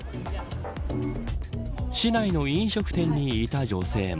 市内の飲食店にいた女性も。